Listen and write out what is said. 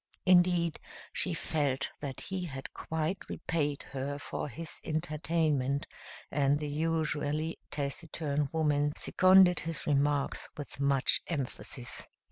Indeed, she felt that he had quite repaid her for his entertainment, and the usually taciturn woman seconded his remarks with much emphasis.